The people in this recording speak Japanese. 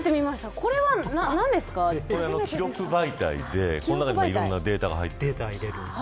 これは記録媒体でこの中にいろんなデータが入っている。